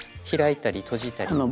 開いたり閉じたり。